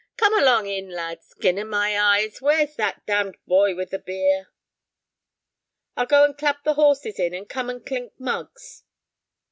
Come along in, lad. Skin o' my eyes, where's that damned boy with the beer?" "I'll go and clap the horses in, and come and clink mugs."